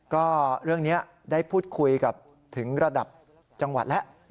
ก็เรื่องนี้ได้พูดคุยกับถึงระดับจังหวัดแล้ว